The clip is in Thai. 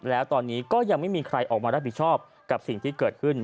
แล้วตอนนี้ก็ยังไม่มีใครออกมารับผิดชอบกับสิ่งที่เกิดขึ้น